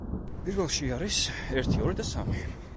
პირველში არის: ერთი, ორი და სამი.